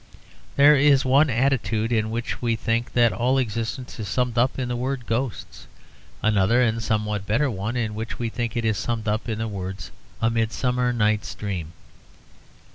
There is one attitude in which we think that all existence is summed up in the word 'ghosts'; another, and somewhat better one, in which we think it is summed up in the words 'A Midsummer Night's Dream.'